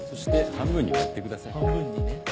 半分にね。